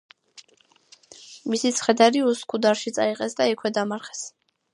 მისი ცხედარი უსქუდარში წაიღეს და იქვე დამარხეს.